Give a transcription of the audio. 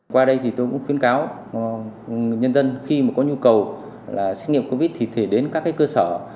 qua đây thì tôi cũng khuyến cáo người dân khi mà có nhu cầu là xét nghiệm covid thì thể đến các cơ sở